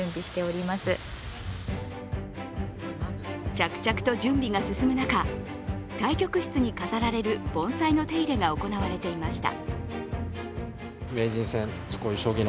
着々と準備が進む中、対局室に飾られる盆栽の手入れが行われていました。